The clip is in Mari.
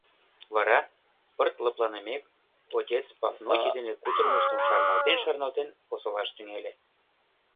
Вара, пырт лыпланымек, отец Пафнутий дене кутырымыштым шарналтен-шарналтен осылаш тӱҥале.